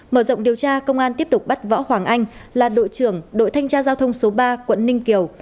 mở rộng điều tra công an tiếp tục bắt võ hoàng anh là đội trưởng đội thanh tra giao thông số ba quận ninh kiều